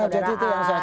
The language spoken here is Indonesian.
jadi itu yang saya coba